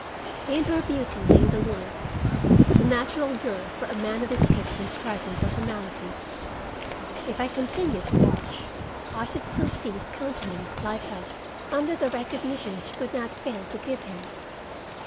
In her beauty lay the lure, the natural lure for a man of his gifts and striking personality. If I continued to watch, I should soon see his countenance light up under the recognition she could not fail to give him.